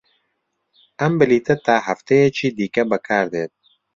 ئەم بلیتە تا هەفتەیەکی دیکە بەکاردێت.